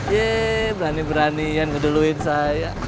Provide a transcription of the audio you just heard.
yeay berani beranian ngeduluin saya